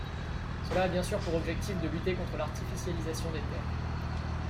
Cela a bien sûr pour objectif de lutter contre l’artificialisation des terres.